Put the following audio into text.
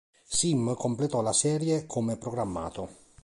Sim completò la serie come programmato.